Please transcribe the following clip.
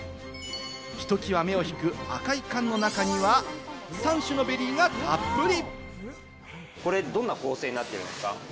ひときわ目を引く赤い缶の中には、３種のベリーがたっぷり！